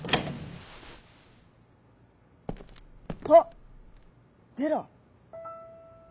「あっデラ」。